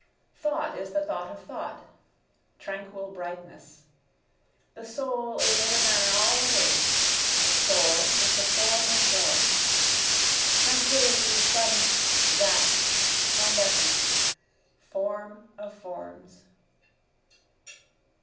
Thought is the thought of thought. Tranquil brightness. The soul is in a manner all that is: the soul is the form of forms. Tranquility sudden, vast, candescent: form of forms.